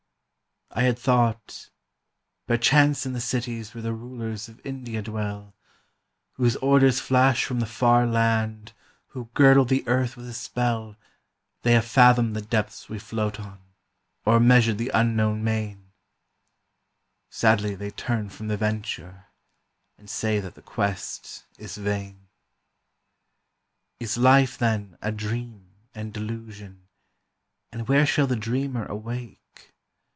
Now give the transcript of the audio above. I had thought, "Perchance in the cities where the rulers of India dwell, Whose orders flash from the far land, who girdle the earth with a spell, They have fathomed the depths we float on, or measured the unknown main " Sadly they turn from the venture, and say that the quest is vain. Is life, then, a dream and delusion, and where shall the dreamer awake?